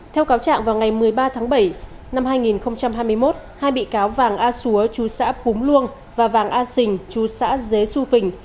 theo cáo trạng vào ngày một mươi ba tháng bảy năm hai nghìn hai mươi một hai bị cáo vàng a xúa chú xã púng luông và vàng a sình chú xã dế xu phình